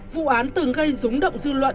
vụ án từng gây rúng động dư luận